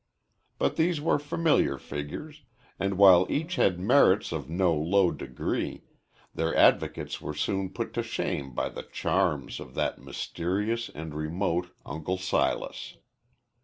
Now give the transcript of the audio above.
But these were familiar figures, and while each had merits of no low degree, their advocates were soon put to shame by the charms of that mysterious and remote Uncle Silas.